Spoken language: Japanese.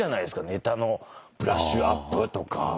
ネタのブラッシュアップとか。